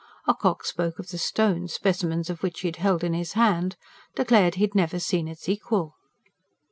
Ocock spoke of the stone, specimens of which he had held in his hand declared he had never seen its equal.